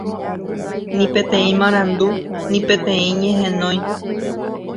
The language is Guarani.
ni peteĩ marandu, ni peteĩ ñehenói